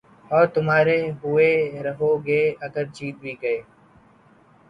اور تُمہارے ہوئے رہو گے اگر جیت بھی گئے